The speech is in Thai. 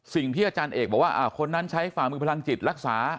สิ่งที่อาจารย์เอกบอกว่าคนนั้นใช้ฝ่ามือพลังจิตรักษา